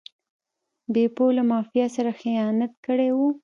بیپو له مافیا سره خیانت کړی و.